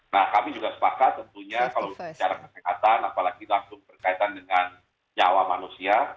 nah kami juga sepakat tentunya kalau secara kesekatan apalagi dalam perhubungan dengan nyawa manusia